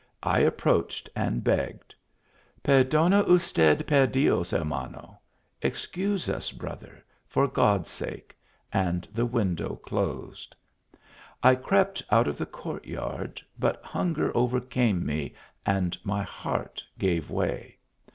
I approached, and begged :* Perclona usted per Dios hermano! (excuse us, brother, for God s sake !) and the window closed. I crept out of the court yard ; but hunger overcame me, and my heart gave way.